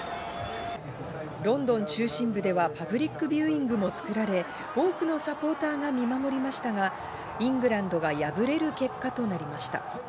ロンドン中心部ではパブリックビューイングも作られ、多くのサポーターが見守りましたが、イングランドが敗れる結果となりました。